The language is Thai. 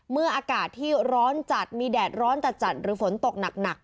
อากาศที่ร้อนจัดมีแดดร้อนจัดหรือฝนตกหนัก